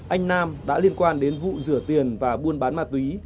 anh nam đã liên quan đến vụ rửa tiền và buôn bán ma túy